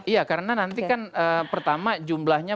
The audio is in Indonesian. iya karena nanti kan pertama jumlahnya